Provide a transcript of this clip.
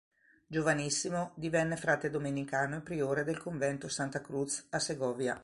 Giovanissimo, divenne frate domenicano e priore del convento "Santa Cruz" a Segovia.